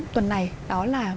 tuần này đó là